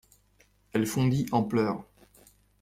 Elle fondit en pleurs.